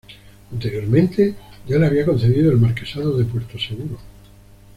Anteriormente ya le había concedido el Marquesado de Puerto Seguro.